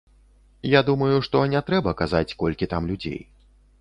Я думаю, што не трэба казаць, колькі там людзей.